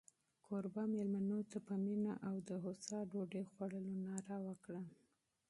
کوربه مېلمنو ته په مینه د هوسا ډوډۍ خوړلو ناره وکړه.